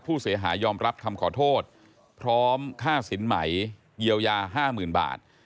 ผู้เสียหายยอมรับคำขอโทษพร้อมค่าสินใหม่เยียวยา๕๐๐๐บาท